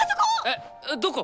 えっどこ！？